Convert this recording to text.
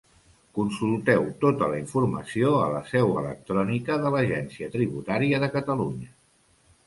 Consulteu tota la informació a la seu electrònica de l'Agència Tributària de Catalunya.